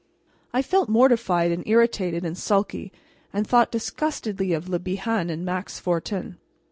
I felt mortified and irritated and sulky, and thought disgustedly of Le Bihan and Max Fortin.